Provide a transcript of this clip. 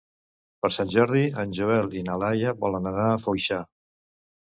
Per Sant Jordi en Joel i na Laia volen anar a Foixà.